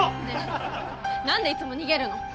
ねえ何でいつも逃げるの？